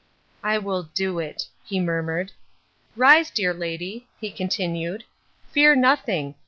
"I will do it," he murmured. "Rise dear lady," he continued. "Fear nothing.